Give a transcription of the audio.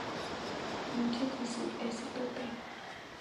Muchas de sus spp.